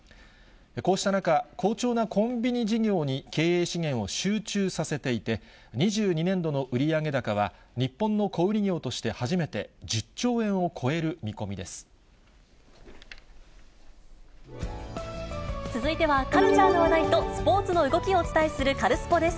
こうした中、好調なコンビニ事業に経営資源を集中させていて、２２年度の売上高は日本の小売り業として初めて、１０兆円を超え続いてはカルチャーの話題とスポーツの動きをお伝えするカルスポっ！です。